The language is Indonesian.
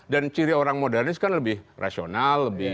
dan ciri orang modernis kan lebih rasional